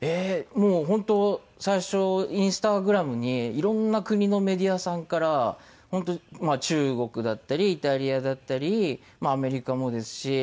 もう本当最初Ｉｎｓｔａｇｒａｍにいろんな国のメディアさんから中国だったりイタリアだったりまあアメリカもですし